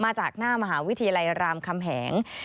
จากหน้ามหาวิทยาลัยรามคำแหง